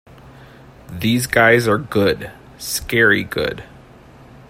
These guys are good, scary good!